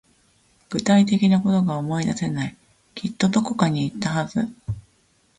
具体的なことが思い出せない。きっとどこかに行ったはず。